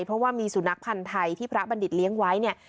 เพราะว่ามีสุนัขพันธ์ไทยที่พระบัณฑิตเลี้ยงไว้เนี่ย